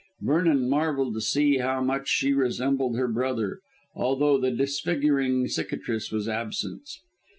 Vernon marvelled to see how much she resembled her brother, although the disfiguring cicatrice was absent.